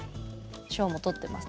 賞も取ってます。